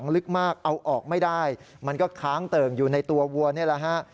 ล้างเติ่งอยู่ในตัววัวนี่แหละฮะ